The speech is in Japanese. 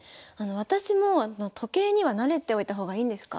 私も時計には慣れておいた方がいいんですか？